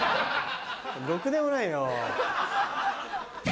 ろくでもないな。